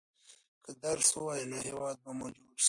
که درس ووايئ نو هېواد به مو جوړ شي.